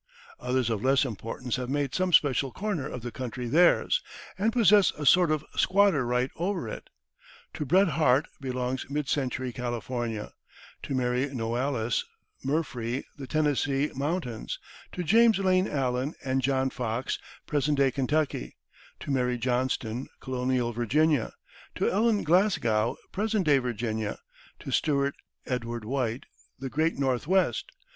Others of less importance have made some special corner of the country theirs, and possess a sort of squatter right over it. To Bret Harte belongs mid century California; to Mary Noailles Murfree, the Tennessee mountains; to James Lane Allen and John Fox, present day Kentucky; to Mary Johnston, colonial Virginia; to Ellen Glasgow, present day Virginia; to Stewart Edward White, the great northwest.